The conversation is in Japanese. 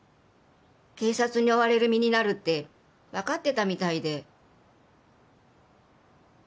警察に追われる身になるって分かってたみたいで。